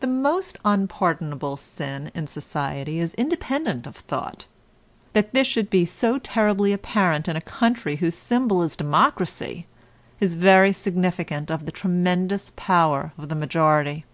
The most unpardonable sin in society is independence of thought. That this should be so terribly apparent in a country whose symbol is democracy, is very significant of the tremendous power of the majority.